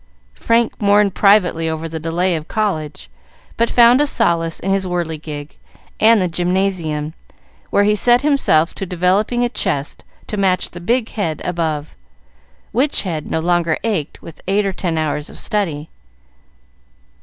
Frank mourned privately over the delay of college, but found a solace in his whirligig and the Gymnasium, where he set himself to developing a chest to match the big head above, which head no longer ached with eight or ten hours of study.